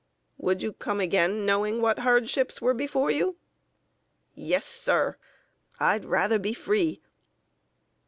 "Would you come again, knowing what hardships were before you?" "Yes, sir. I'd rather be free!"